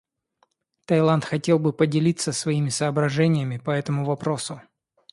Таиланд хотел бы поделиться своими соображениями по этому вопросу.